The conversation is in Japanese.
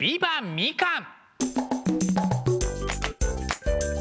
みかん！！」。